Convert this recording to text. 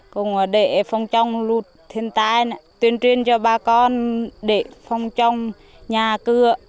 cùng để phòng trong lụt thiên tai tuyên truyền cho bà con để phòng trong nhà cửa